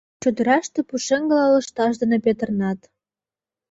Чодыраште пушеҥгыла лышташ дене петырнат.